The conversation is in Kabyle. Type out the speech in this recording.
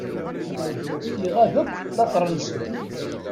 Iɣab akk later-nsent.